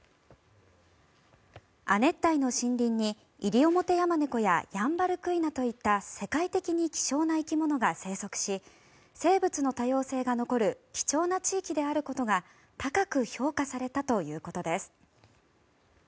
亜熱帯の森林にイリオモテヤマネコやヤンバルクイナといった世界的に希少な生き物が生息し生物の多様性が残る貴重な地域であることが高く評価されたということです。